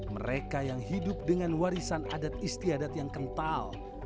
mereka yang hidup dengan warisan adat istiadat yang kental